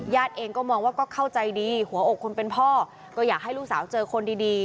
เองก็มองว่าก็เข้าใจดีหัวอกคนเป็นพ่อก็อยากให้ลูกสาวเจอคนดี